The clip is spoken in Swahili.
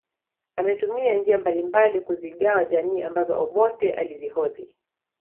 Ametumia njia mbalimbali kuzigawa jamii ambazo Obote alizihodhi